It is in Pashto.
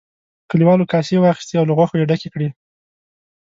کليوالو کاسې واخیستې او له غوښو یې ډکې کړې.